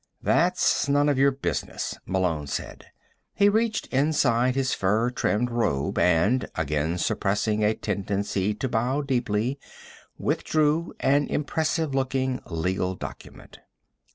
"That's none of your business," Malone said. He reached inside his fur trimmed robe and, again suppressing a tendency to bow deeply, withdrew an impressive looking legal document.